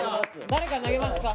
誰か投げますか？